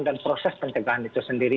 dan proses pencegahan itu sendiri